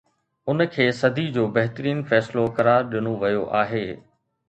ان کي صدي جو بهترين فيصلو قرار ڏنو ويو آهي